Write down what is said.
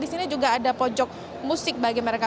di sini juga ada pojok musik bagi mereka